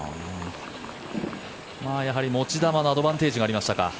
やはり持ち球のアドバンテージがありましたか。